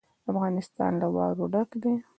افغانستان له واوره ډک دی.